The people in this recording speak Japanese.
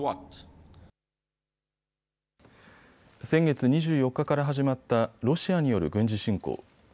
先月２４日から始まったロシアによる軍事侵攻。